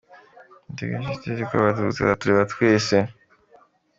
Amateka ya Jenoside yakorewe Abatutsi aratureba twese.